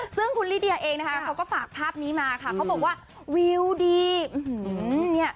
ซึ่งคุณลิเดียเองนะคะเขาก็ฝากภาพนี้มาค่ะเขาบอกว่าวิวดีอื้อหือเนี่ย